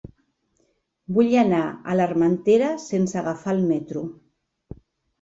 Vull anar a l'Armentera sense agafar el metro.